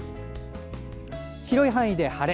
広い範囲で晴れ。